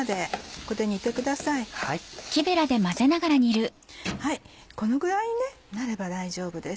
このぐらいになれば大丈夫です。